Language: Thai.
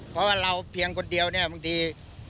เพราะว่าเราเพียงคนเดียวเนี่ยบางที